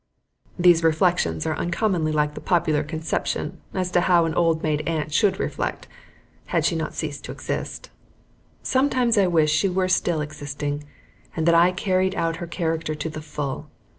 These reflections are uncommonly like the popular conception as to how an old maid aunt should reflect, had she not ceased to exist. Sometimes I wish she were still existing and that I carried out her character to the full.